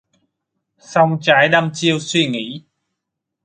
Song trái đăm chiêu suy nghĩ